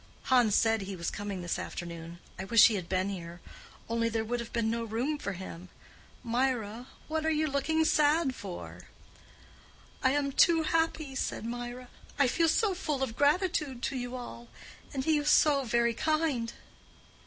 Hans said he was coming this afternoon. I wish he had been here—only there would have been no room for him. Mirah, what are you looking sad for?" "I am too happy," said Mirah. "I feel so full of gratitude to you all; and he was so very kind."